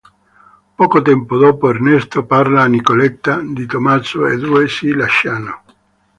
Poco tempo dopo Ernesto parla a Nicoletta di Tommaso e i due si lasciano.